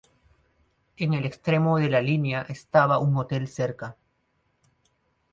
En el extremo de la línea estaba un hotel cerca.